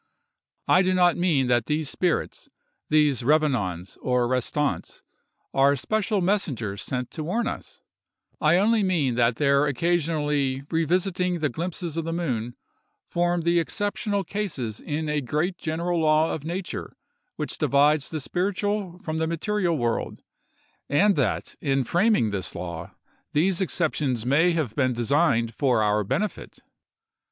I do not mean that these spirits—these revenants or restants—are special messengers sent to warn us: I only mean that their occasionally "revisiting the glimpses of the moon" form the exceptional cases in a great general law of nature which divides the spiritual from the material world; and that, in framing this law, these exceptions may have been designed for our benefit.